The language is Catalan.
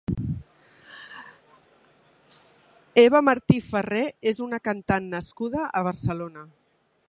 Eva Martí Ferré és una cantant nascuda a Barcelona.